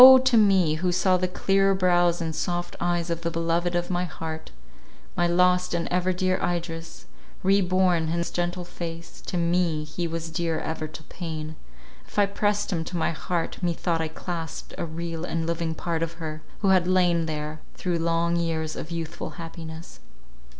to me, who saw the clear brows and soft eyes of the beloved of my heart, my lost and ever dear Idris, re born in his gentle face, to me he was dear even to pain; if I pressed him to my heart, methought I clasped a real and living part of her, who had lain there through long years of youthful happiness.